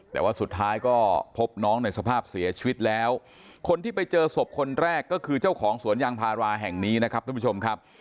แต่ว่าสุดท้ายก็พบน้องในสภาพเสียชีวิตแล้วคนที่ไปเจอศพคนแรกก็คือเจ้าของสวนยางพาราแห่งนี้นะครับท่านผู้ชมครับ